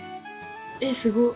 えっすごっ。